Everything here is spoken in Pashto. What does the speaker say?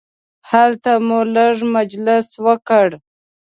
هلته مو لږ مجلس وکړ.